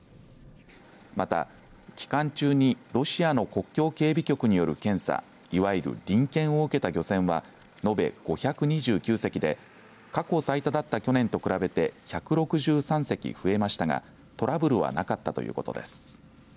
また、期間中にロシアの国境警備局による検査いわゆる臨検を受けた漁船は延べ５２９隻で過去最多だった去年と比べて１６３隻増えましたがトラブルはなかったということです。